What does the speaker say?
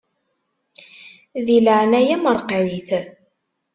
Di leɛnaya-m ṛeqqeɛ-it.